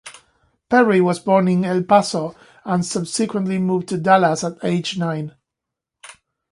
Perry was born in El Paso and subsequently moved to Dallas at age nine.